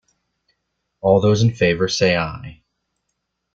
All those in favour, say Aye.